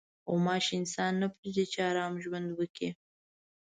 غوماشې انسان نه پرېږدي چې ارام ژوند وکړي.